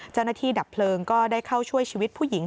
เจ้าหน้าที่ดับเพลิงก็ได้เข้าช่วยชีวิตผู้หญิง